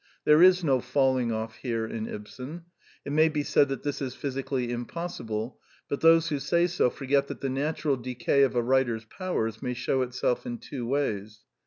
There is no falling off here in Ibsen. It may be said that this is physically impossible; but those who say so forget that the natural decay of a writer's powers may shew itself in two ways.